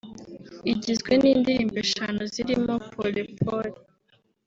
igizwe n’indirimbo eshanu zirimo ‘Pole Pole’